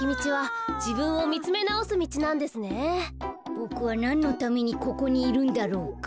ボクはなんのためにここにいるんだろうか。